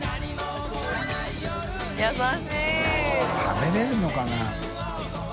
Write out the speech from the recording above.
食べれるのかな？